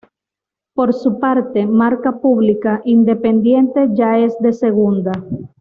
Por su parte Marca publica ""Independiente ya es de Segunda".